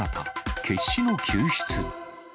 決死の救出。